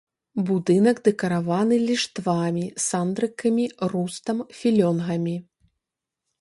Будынак дэкараваны ліштвамі, сандрыкамі, рустам, філёнгамі.